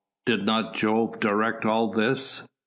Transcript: Did not Jove direct all this?"